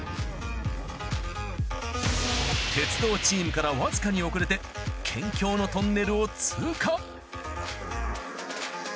鉄道チームからわずかに遅れて県境のトンネルを通過。